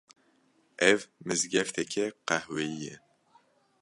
Ev mizgefteke qehweyî ye